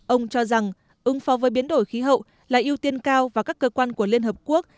ông cho rằng ứng phó với biến đổi khí hậu là ưu tiên cao và các cơ quan của liên hợp quốc